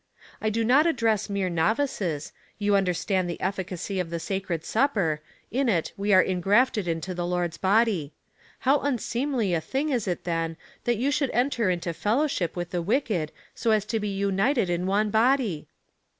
^" I do not address mere novices. You understand the efficacy of the sacred Supper : in it we are ingrafted into the Lord's body. How unseemly a thing is it then, that you should enter into fel lowship with the wicked, so as to be united in one body?"